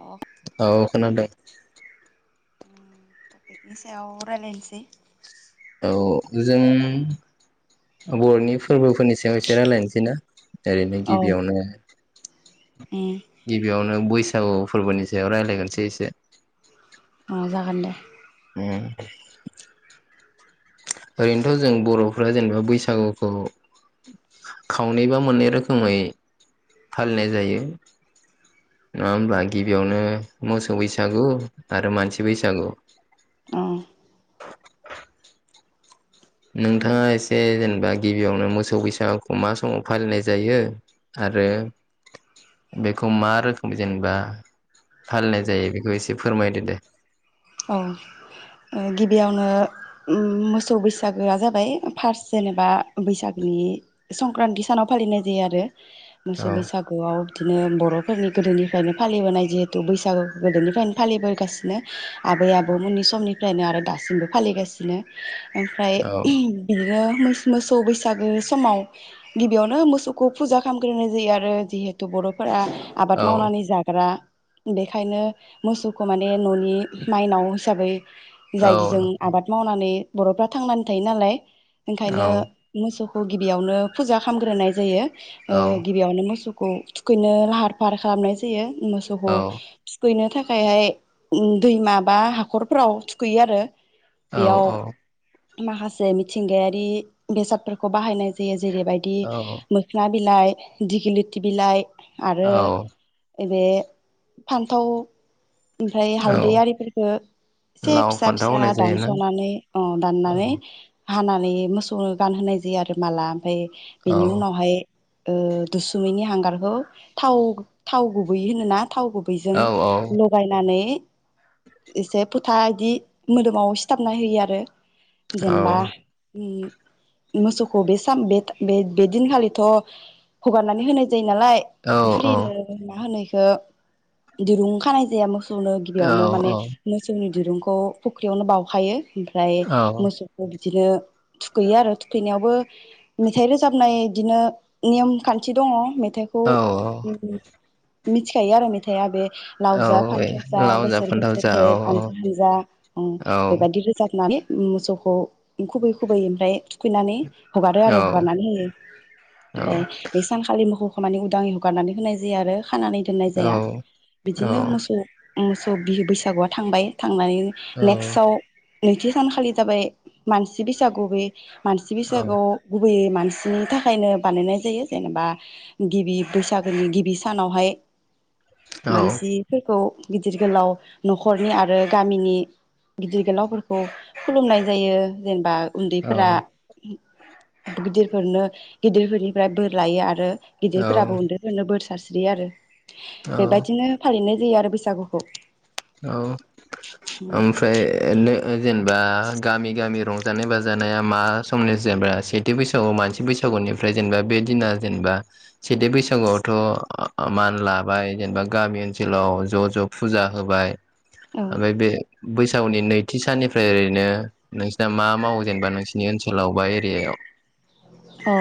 अ औ खोनादों। थफिखनि सायाव रायलायनोसै। औ जों बर'नि फोरबोफोरनि सायाव एसे रायजलायनोसै ना। ओरैनो औ गिबियावनो। गिबियावनो बय बैसागु फोरबोनि सायाव रायज्लायगोनसै एसे। ना जागोन दे। उम। ओरैनोथ' जों बर'फ्रा जेनेबा बैसागुखौ खावनै बा मोननै रोखोमै फालिनाय जायो नङा होमब्ला गिबियावनो मोसौ बैसागु आरो मानसि बैसागु। अ। [inaudible] नोंथाङा एसे जेनेबा गिबियावनो मोसौ बैसागुखौ मा समाव फालिनाय जायो आरो बेखौ मा रोखोम जेनेबा फालिनाय जायो बेखौ एसे फोरमायदो दे। औ ओ गिबियावनो मोसौ बैसागोआ जाबाय फार्स्ट जेनेबा बैसागोनि संक्रान्ति सानाव फालिनाय जायो आरो मोसौ औ बैसागुआव बिदिनो बर'फोरनि गोदोनिफ्रायनो फालिबोनाय जिहेथु बैसागु गोदोनिफ्रायनो फालिबोगासिनो आबै आबौ मोननि समनिफ्रायनो आरो दासिमबो फालिगासिनो। ओमफाय बियो मोस मोसौ बैसागो समाव गिबियावनो मोसौखौ फुजा खालामग्रोनाय जायो आरो जिहेथु बर'फोरा आबाद मावनानै जाग्रा बेखायनो मोसौखौ माने न'नि माइनाव हिसाबै जायदोजों आबाद मावनानै बर'फ्रा थांनानै थायो नालाय ओंखायनो औ-औ-औ-औ-औ-औ-औ-औ-औ-औ मोसौ गिबियावनो फुजा खामग्रोनाय जायो। ओ गिबियावनो मोसु [unintelligible] थुखैनो लाहार फाहार खालामनाय जायो मोसौखौ थुखैनो थाख हाय हाय उ दैमा बा हाखरफ्राव थुखैयो आरो औ बेयाव अ माखासे मिथिंगायारि बेसादफोरखौ बाहायनाय जायो जेरैबायदि मोखना बिलाइ दिगिलिथि बिलाइ आरो [unintelligible] बे फान्थाव ओमफाय हालदै आरिफोरखो एसे लाव फिसा फान्थाव फिसा होनाय जायोना दानसनानै अ [unintelligible] नानै हानानै मोसौनो गानहोनाय जायो आरो माला। ओमफाय बिनि उनावहाय ओ दुसुमैनि हांगारखौ थाव थाव गुबै होनोना थाव गुबैजों लगायनाने एसे फोथा इदि मोदोमाव सिथाबना होयो आरो जेनबा औ-औ-औ-औ-औ-औ-औ-औ-औ-औ-औ उ मोसौखौ बे सान बे बे बेदिनखालिथ हगारनानै होनाय जायो नालाय फ्रिनो मा होनो इ ओ दिरुं खानाय जाया मोसौ खौनो गिबियावनो माने मोसौनि दिरुंखौ फुख्रियावनो बाउखायो ओमफ्राय मोसौखौ बिदिनो थुखैयो आरो थुखैनायावबो मेथाइ रोजाबनाय बिदिनो नेम खान्थि दङ मेथाइखौ मिथिखायो आरो मेथाया बे औ लाव जा फान्थाव जा हे हानजा हानजा ओम बेबायदि रोजाब नानै मोसौखौ खुबै खुबै ओमफ्राय थुखैनानै हगारो आरो हगारनानै होयो ओमफ्राय बे सानखालिनो मोखौ माने उदाङै हगारनानै होनाय जायो आरो खानानै दोननाय जाया बिदिनो मोसौ मोसौ बिहु बैसागु बैसागुआ थांबाय थांनानै औ-औ-औ-औ-औ-औ-औ-औ-औ-औ-औ-औ-औ नेक्सआव नैथि सानखालि जाबाय मानसि बैसागु बे मानसि बैसागुआव गुबैयै मानसिनि थाखायनो बानायनाय जायो जेनेबा गिबि बैसागुनि गिबि सानावहाय मानसिफोरखौ गिदिर गोलाव नखरनि आरो गामिनि गिदिर गोलावफोरखौ खुलुमनाय जायो जेनेबा उन्दैफोरा गिदिरफोरनो गिदिरफोरनिफ्राय बोर लायो आरो गिदिरफोराबो उन्दैफोरनो बोर सास्रियो आरो बेबायदिनो फालिनाय जायो आरो बैसागु बैसागुखौ औ ओमफ्राय जेन जेनेबा गामि गामि रंजानाय बाजानाया मा समनि जेनेबा सेथि बैसागु मानसि बैसागुनिफ्राय जेनेबा बे दिना जेनेबा सेथि बैसागुआवथ मान लाबाय जेनेबा गामि ओनसोलाव ज ज फुजा होबाय औ ओमफ्राय बे बैसागुनि नैथि साननिफ्राय [unintelligible] ओरैनो नोंसिना मा मावो जेनेबा नोंसोरनि ओनसोलाव बा एरियायाव? अ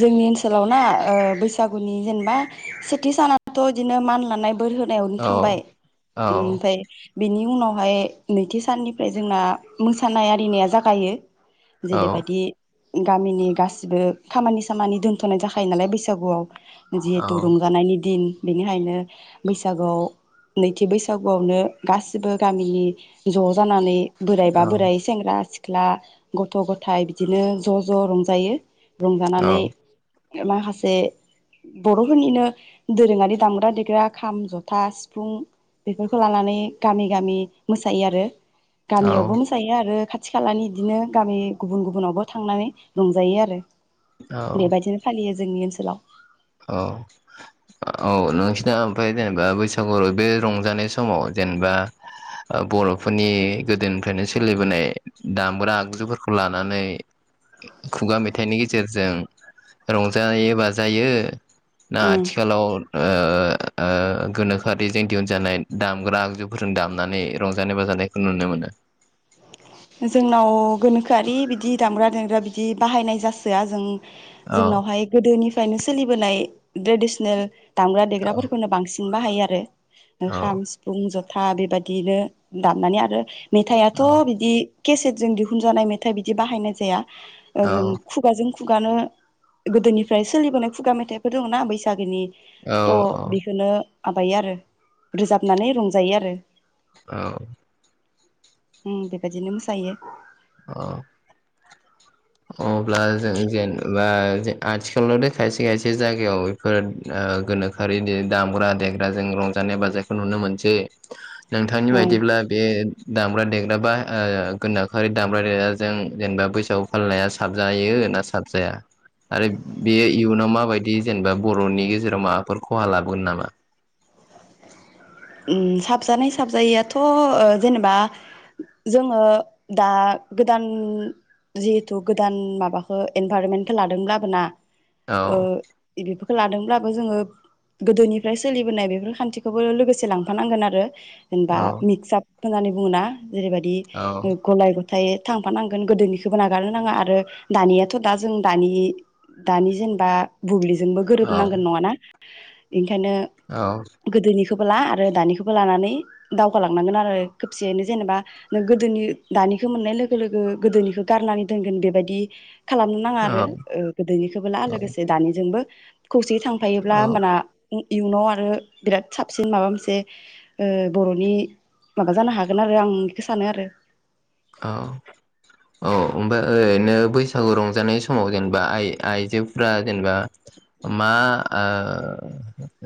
जोंनि ओनसोलाव ना बैसागुनि जेनेबा सेथि सानआथ बिदिनो मान लानाय बोर होनायावनो औ थांबाय औ ओमफ्राय बिनि। उनावहाय नैथि साननिफ्राय जोंना मोसानाय आरिनाया जागायो। औ जेरैबायदि गामिनि गास गासैबो खामानि सामानि दोन्थनाय जाखायो नालाय बैसागुआव जिहेथु औ रंजानायनि दिन बिनिखायनो बैसागुआव नैथि बैसागुआवनो गासिबो गामिनि ज जानानै बोराइबा औ बोराय सेंग्रा सिख्ला सिख्ला गथ गथाया बिदिनो ज ज रंजायो। औ रंजानानै माखासे बरफोरनिनो दोरोङारि दामग्रा देग्रा खाम जथा सिफुं बेफोरखौ लानानै गामि गामि मोसायो आरो औ गामियावबो मोसायो आरो खाथ खाथि खालानि बिदिनो गामि गुबुन गुबुनावबो थांनानै रंजायो आरो [inaudible] औ बेबायदिनो फालियो जोंनि ओनसोल फोरा औ औ नोंसिना ओमफ्राय जेनेबा बैसागु बे रंजानाय समाव जेनेबा ओ बरफोरनि गोदोनिफ्रायनो सोलिबोनाय दामग्रा आगजुफोरखौ लानानै खुगा मेथाइनि गेजेरजों रंजायो बाजायो ना उम आथिखालाव ओ ओ गोनोखोआरिजों दिहुनजानाय दामग्रा आगजुफोरजों दामनानै रंजानाय बाजानायखौ नुनो मोनो। जोंनाव गोनोखोआरि बिदि दामग्रा देग्रा बिदि बाहायनाय जासोआ जों औ जोंनावहाय गोदोनि बायनो सोलिबोनाय डेडिसनेल दामग्रा औ देग्राफोरखौनो बांसिन बाहायो हायो आरो औ खाम सिफुं जथ था बेबादिनो दामनानै आरो मेथाइआथ औ बिदि केसेटजों दिहुनजानाय मेथाइ बिदि बाहायनाय जाया। ओं खुगाजों खुगानो गोदोनिफ्राय सोलिबोनाय खुगा मेथाइफोर दङो ना बैसागोनि औ थ बेखोनो माबायो आरो रोजाबनानै रंजायो आरो औ [inaudible] उम बेबादिनो मोस जायो। अ अब्ला जों जेनेबा जे आथिखालाव दे खायसे खायसे जायगायाव बेफोर ओ गोनोखोआरि दे दामग्रा देग्रा जों रंजानाय बाजानायखो नुनो मोनसे नोंथांनि औ बायदिब्ला बे दाम्रा देग्रा बा ओ गोनाखोआरि दामग्रा देगाजों जेनेबा बैसा फालनाया साबजायो ना साबजाया आरो बेयो इयुनाव माबायदि जेनेबा बरनि गेजेराव माफोर खहा लाबोगोन नामा? उम साबजानाय साबजायैयाथ' ओ जेनेबा जोङो दा गोदान जिहेथु गोदान माबाखो एनभारमेनखो लादों आरो ना औ ओ बेफोरखौ लादों लाबो जोङो गोदोनिफ्राय सोलिबोनाय बेफोर खान्थिखोबो लोगोसे एसे लांफानांगोन आरो जेनबा औ मिक्साप होननानै बुङोना? जेरैबायदि औ गलाय ग थाय थांफानांगोन गोदोनिखौबो नागारनो नाङा आरो दानियाथ दा जों दानि दानि जेनबा बुब्लिजोंबो औ गोरोबनांगोन नङाना? एदि खायनो गोदोनि बो ला आरो दानिखौबो लानानै दावगालांनांगोन आरो खोबसेयैनो जेनेबा नों गोदोनि दानिखौ मोननाय लोगो लोगो गोदोनिखौ गारनानै दोनगोन बेबायदि खालामनो नाङा औ आरो ओ गोदोनिखौबो ला औ लोगोसे दानिजोंबो [inaudible] खौसे थांफायोब्ला औ होमबाना ओ इयुनाव आरो बिराद साब सिन माबा मोनसे ओ बर'नि माबा जानो हागोन आरो आं बेखौ सानो आरो। अ औ ओमफ्राय ओरैनो बैसागु रंजानाय समाव जेनेबा आइ आइजोफ्रा जेनेबा मा आ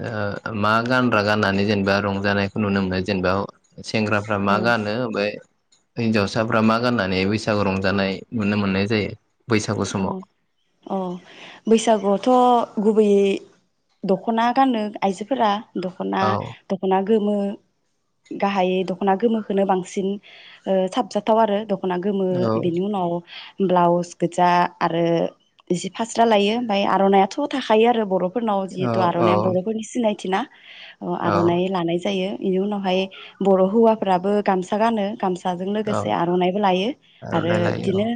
आ मा गानग्रा गाननानै जेनेबा रंजानायखौ नुनो मोनो जेनेबा? सेंग्राफ्रा मा गानो ओमफाय हिनजावसाफ्रा मा गाननानै बैसागु रंजानाय नुनो मोननाय जायो। बैसागु अ समाव अ बैसागु थ' गुबैयै दख'ना गानो आइजोफोरा। दख'ना औ दख'ना गोमो गाहायै दख'ना गोमोखोनो बांसिन ओ साबजाथाव आरो दख ना गोमो औ बिनि उनाव ब्लाउस गोजा आरो जि फास्रा लायो ओमफ्राय आर'नायाथ' थाखायो आरो बर' फोरनाव औ जिहेतु औ आरनिया बर'फोर सिनाय थिना अ औ आर'नाइ लानाय जायो। इनि उनावहाय बर' हौवाफ्राबो गामसा गानो गामसा। जों औ लोगोसे आर'नाइबो लायो आरो आर'नाइ लायो इदिनो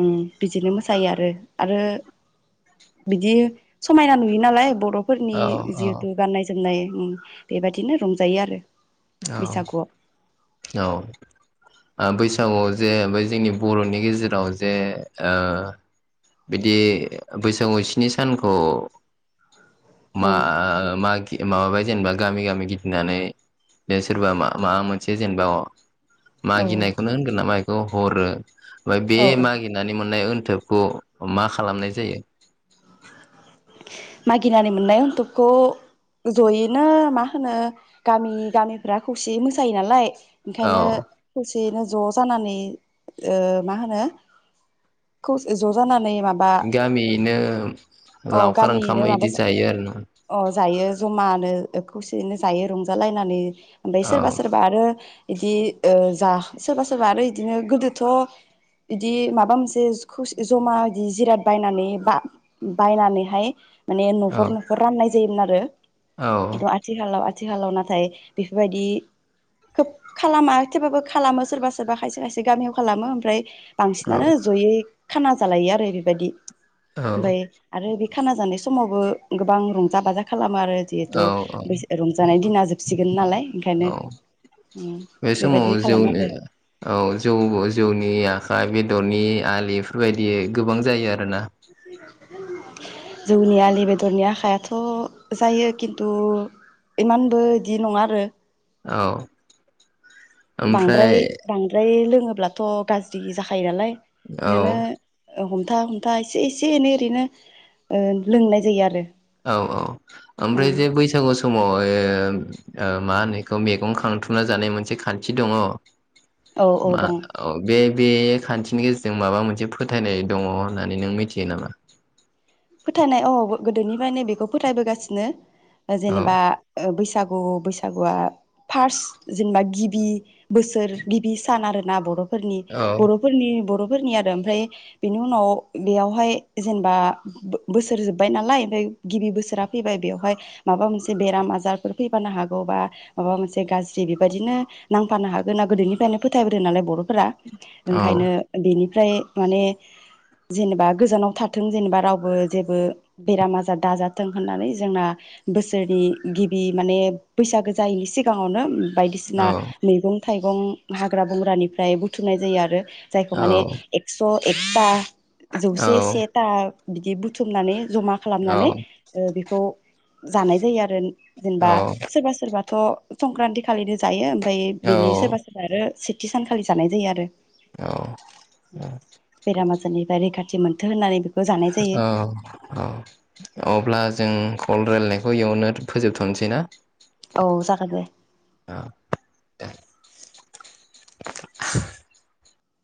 अम बिदिनो मोसायो आरो आरो बिदि समायना नुयो नालाय बर' फोरनि औ औ जिहेथु गाननाय जोमनाय ओम बेबायदिनो रंजायो आरो। औ बैसागुआव औ ओ बै औ जे बै जोंनि बर'नि गेजेराव जे ओ बिदि बैसागु स्नि सानखौ मा औ मा दि माबाबाय जेनेबा गामि-गामि गिदिंनानै बे सोरबा मा-माबा मोनसे जेनबा औ मागिनायखौनो होनगोन नामा औ हरो बे औ मागिनानै मोननाय ओन थोबखौ मा खालामनाय जायो। मागिनानै मोननाय अन्थबखौ जयैनो मा होनो गामि गामिफ्रा खौसेयै मोसायो नालाय ओंखायनो औ खौसे सेनो ज' जानानै ओ मा होनो खौसे ज' जानानै माबा गामियैनो अ लावखार ओंखाम गामियैनो माबा इदि जा जायो आरोना अ जायो। जमानो खौसेयैनो जायो रंजालायनानै ओमफ्राय औ सोरबा सोरबा आरो इदि जा सोरबा सोरबा आरो इदिनो गोदोथ' इदि माबा मोनसे खौसे जमा इदि जिराद बायनानै बा-बायनानै हाय माने औ न'खर-न'खर राननाय जायो मोन आरो। औ एथ आथिखालाव आथिखालाव नाथाय बेफोरबायदि खोब खालामा थेबाबो खालामो सोरबा सोरबा खायसे-खायसे गामियाव खालामो ओमफ्राय औ बांसिनानो जयै खाना जालायो आरो ओरैबायदि ओमफाय आरो बि खाना जानाय समावबो गोबां रंजा बाजा खालाम ओ आरो जेहेतु औ औ औ रंजानाय दिना जोबसिगोन नालाय ओंखायनो औ उम बे समाव बेबायदि खालामो जौनि आरो औ जौ-जौनि आखाइ बेदरनि आलि बेफोरबायदि गोबां जायो आरो ना जौनि आलि बेदरनि आखायाथ' जायो खिन्थु इमानबो इदि नङा आरो औ बांद्राय ओमफ्राय बांद्राय लोग बुङोब्लाथ' गाज्रि जाखायो नालाय औ इनानो हमथा हमथा एसे एसे एनै ओरैनो ओ लोंनाय जायो आरो औ औ ओमफ्राय उम जे बैसागु समावहाय ओ मा होनो बेखौ मैगं खांथुमना जानाय मोनसे खान्थि दङ औ औ मा दं अ बे बे खान्थिनि गेजेरजों माबा मोनसे फोथायनाय दङ होननानै नों मिथियो नामा फोथायनाय औ गोदोनिफ्रायनो बेखौ फोथायबोगासिनो औ जेनेबा बैसागु औ बैसागुआ फार्स्ट जेनेबा गिबि बोसोर गिबि सान आरोना बर'फौरनि नि औ बर'फोरनि बर' फोरनि आरो ओमफ्राय बेनि उनाव बेयावहाय जेनेबा बोसोर जोब्बाय नालाय ओमफ्राय गिबि बोसोरा फैबाय बेवहाय माबा मोनसे बेराम आजारफोर फैफानो हागौ बा माबा मोनसे गाज्रि बेबायदिनो नांफानो हागोन ना गोदोनिफ्रायनो फोथायबोदों नालाय बर' फोरा ओंखायनो औ-औ-औ-औ-औ-औ-औ-औ-औ बेनि ओमफ्राय माने जेनेबा गोजानाव थाथों जेनेबा राव बो जेबो बेराम आजार दाजाथों होननानै जोंना बोसोरनि गिबि माने बैसागो जायैनि सिगाङावनो बायदिसिना मैगं था थाइगं हाग्रा बंग्रानिफ्राय बुथुमनाय जायो आरो। जायखौ माने एक्स' एा [unintelligible] जौसे सेथा बिदि बुथुमनानै जमा खालामनानै ओं बेखौ जानाय जायो आरो। जेन-जेनेबा सोरबा-सोरबा थ' संक्रान्ति खालिनो जायो ओमफ्राय बिनि सोरबा सोरबा आरो सानखालि जानाय जायो आरो। बेेराम बेनिफ्राय रैखाथि मोनथों होननानै जानाय औ औ अब्ला जों रायलायनायखौ इयावनो फोजोबथ'नोसै ना? औ जागोन दे। औ [unintelligible]